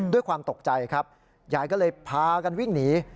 ด้วยความตกใจครับยายก็เลยพากันวิ่งหนี